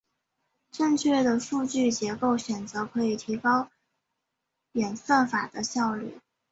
正确的数据结构选择可以提高演算法的效率。